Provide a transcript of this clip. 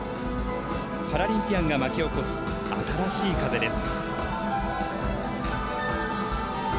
パラリンピアンが巻き起こす新しい風です。